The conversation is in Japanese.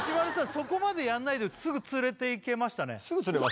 そこまでやんないですぐつれていけましたね